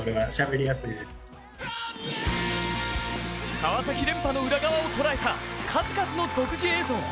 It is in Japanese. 川崎連覇の裏側を捉えた数々の独自映像。